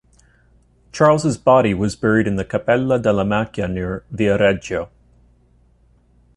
Charles's body was buried in the Cappella della Macchia near Viareggio.